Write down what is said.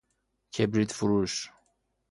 کبریت فروش